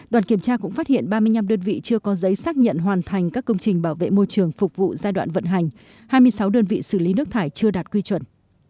đoàn kiểm tra cũng phát hiện ba mươi năm đơn vị chưa có giấy xác nhận hoàn thành các công trình bảo vệ môi trường phục vụ giai đoạn vận hành hai mươi sáu đơn vị xử lý nước thải chưa đạt quy chuẩn